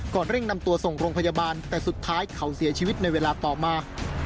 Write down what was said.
เร่งนำตัวส่งโรงพยาบาลแต่สุดท้ายเขาเสียชีวิตในเวลาต่อมา